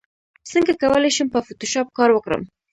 څنګه کولی شم په فوټوشاپ کار وکړم